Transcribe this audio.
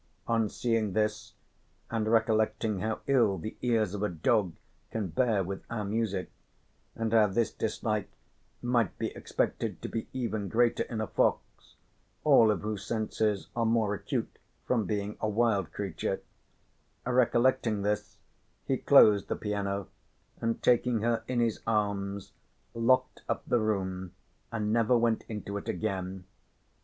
On seeing this and recollecting how ill the ears of a dog can bear with our music, and how this dislike might be expected to be even greater in a fox, all of whose senses are more acute from being a wild creature, recollecting this he closed the piano and taking her in his arms, locked up the room and never went into it again.